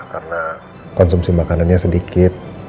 karena konsumsi makanannya sedikit